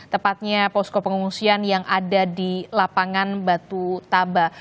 tepatnya posko pengungsian yang ada di lapangan batu taba